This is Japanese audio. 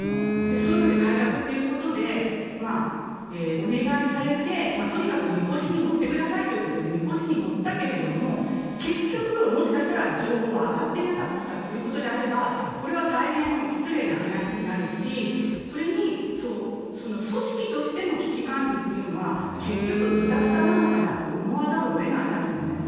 そういうので改革ということで、お願いされて、とにかくみこしに乗ってくださいということで、みこしに乗ったけれども、結局、もしかしたら情報が上がっていなかったっていうことであれば、これは大変失礼な話になるし、それに、組織としての危機管理というのは、結局ずたずたなのかなと思わざるをえないと思います。